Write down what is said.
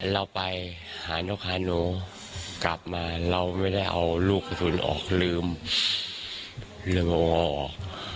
เราไปหานกหาหนูกลับมาเราไม่ได้เอาลูกกระสุนออกลืมลืมออก